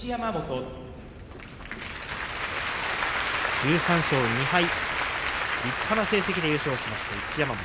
１３勝２敗立派な成績で優勝しました一山本。